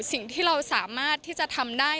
สิ่งที่เราสามารถที่จะทำได้